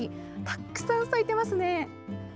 たくさん咲いていますね。